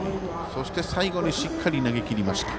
そして、最後にしっかり投げきりました。